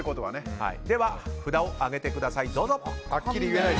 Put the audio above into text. では、札を上げてください。